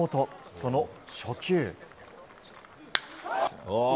その初球。